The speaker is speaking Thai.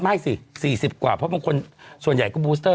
ไม่สิ๔๐กว่าเพราะบางคนส่วนใหญ่ก็บูสเตอร์